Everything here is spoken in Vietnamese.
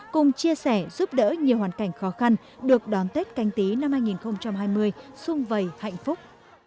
cùng chia sẻ giúp đỡ nhiều hoàn cảnh khó khăn được đón tết canh tí năm hai nghìn hai mươi sung vầy hạnh phúc